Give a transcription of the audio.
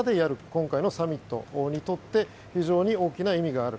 今回のサミットにとって非常に大きな意味がある。